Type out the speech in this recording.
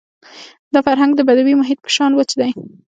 دا فرهنګ د بدوي محیط په شان وچ دی.